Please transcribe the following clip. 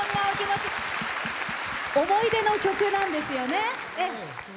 思い出の曲なんですよね？